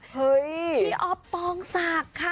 พี่อ๊อฟปองศักดิ์ค่ะ